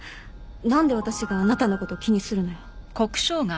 何で私があなたのこと気にするのよ。